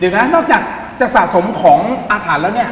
เดี๋ยวนะนอกจากจะสะสมของอาถารณ์แล้ว